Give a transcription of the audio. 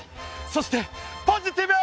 そしてポジティブ！